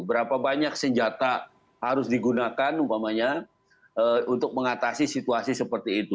berapa banyak senjata harus digunakan umpamanya untuk mengatasi situasi seperti itu